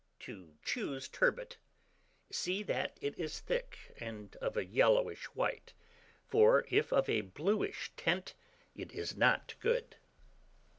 TO CHOOSE TURBOT. See that it is thick, and of a yellowish white; for if of a bluish tint, it is not good.